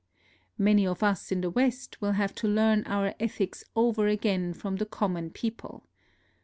Many of us in the West will have to learn our ethics over again from the common people.